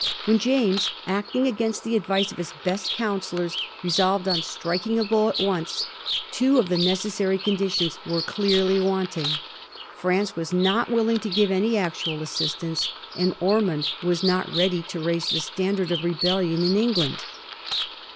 When James, acting against the advice of his best counsellors^ resolved on striking a blow at once, two of the necessary conditions were clearly wanting. France was not willing to give any actual assistance, and Ormond was not ready to raise the standard of rebellion in England.